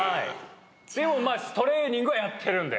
でもまぁトレーニングはやってるんで。